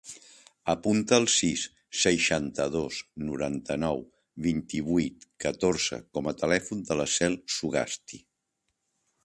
Apunta el sis, seixanta-dos, noranta-nou, vint-i-vuit, catorze com a telèfon de la Cel Zugasti.